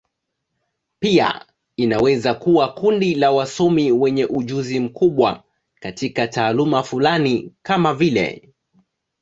Pia inaweza kuwa kundi la wasomi wenye ujuzi mkubwa katika taaluma fulani, kama vile.